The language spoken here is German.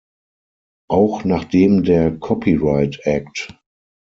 Auch nachdem der "Copyright Act.